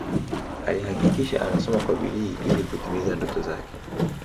Alihakikisha anasoma kwa bidii ili kutimiza ndoto zake